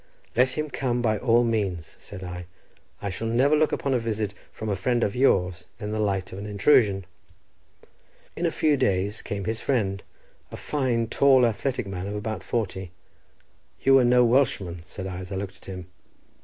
"Let him come by all means," said I; "I shall never look upon a visit from a friend of yours in the light of an intrusion." In a few days came his friend, a fine, tall, athletic man of about forty. "You are no Welshman," said I, as I looked at him.